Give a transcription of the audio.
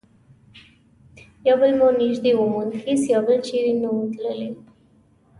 یو بل مو نژدې وموند، هیڅ یو بل چیري نه وو تللي.